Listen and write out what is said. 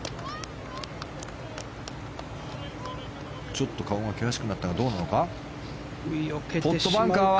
ちょっと顔が険しくなったがどうなのか。